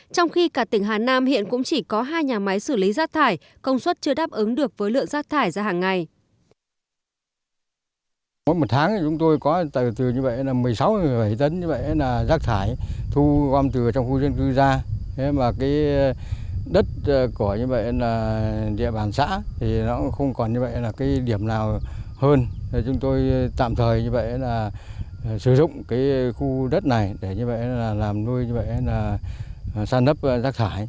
trong khi cả tỉnh hà nam hiện cũng chỉ có hai nhà máy xử lý rác thải công suất chưa đáp ứng được với lượng rác thải ra hàng ngày